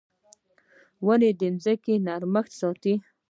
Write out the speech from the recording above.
• ونه د ځمکې نرمښت ساتي.